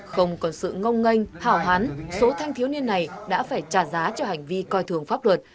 không còn sự ngông nghênh hảo hán số thanh thiếu niên này đã phải trả giá cho hành vi coi thường pháp luật